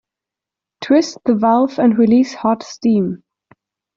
Twist the valve and release hot steam.